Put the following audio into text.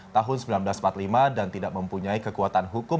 tahun seribu sembilan ratus empat puluh lima dan tidak mempunyai kekuatan hukum